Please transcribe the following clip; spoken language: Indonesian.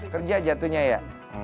kerja jatuhnya ya